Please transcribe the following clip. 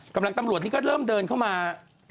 ตำรวจนี่ก็เริ่มเดินเข้ามา